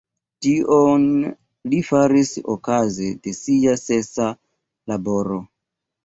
Tion li faris okaze de sia sesa laboro.